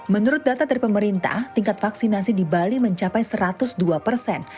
menurut data dari pemerintah tingkat vaksinasi di bali mencapai satu ratus dua persen